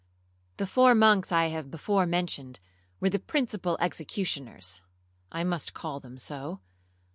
The four monks I have before mentioned, were the principal executioners, (I must call them so).